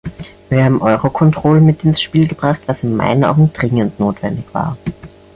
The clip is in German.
Wir haben Eurocontrol mit ins Spiel gebracht, was in meinen Augen dringend notwendig war.